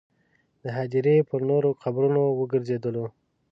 د هدیرې پر نورو قبرونو وګرځېدلو.